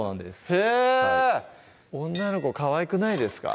へぇ女の子かわいくないですか？